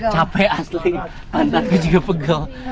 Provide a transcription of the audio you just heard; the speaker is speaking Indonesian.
capek asli anaknya juga pegel